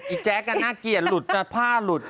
อีแจ๊กน่ากลียดลุดผ้าลุด